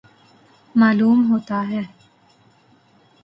معلوم ہوتا ہے